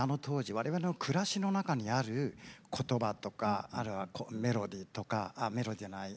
我々の暮らしの中にある言葉とかあるいはメロディーとかあっメロディーじゃない。